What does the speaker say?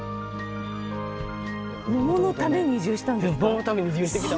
桃のために移住したんですか？